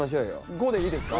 ５でいいですか？